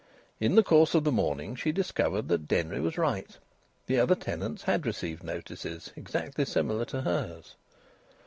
In the course of the morning she discovered that Denry was right the other tenants had received notices exactly similar to hers.